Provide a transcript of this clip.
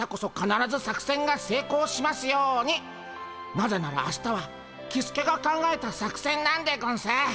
なぜなら明日はキスケが考えた作戦なんでゴンス。